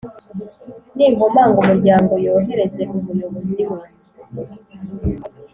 Ninkomanga umuryango yohereze umuboyi we